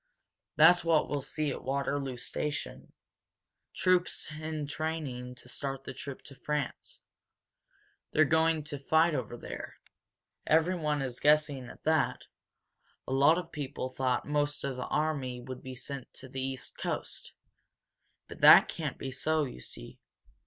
That's what we'll see at Waterloo station troops entraining to start the trip to France. They're going to fight over there. Everyone is guessing at that a lot of people thought most of the army would be sent to the East Coast. But that can't be so, you see.